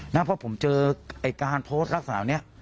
เพราะผมเจอการโพสต์รักษาอันนี้